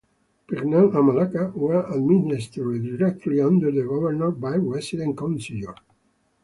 Penang and Malacca were administered, directly under the governor, by resident councillors.